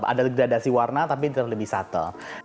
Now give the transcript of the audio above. ada gradasi warna tapi tetap lebih subtle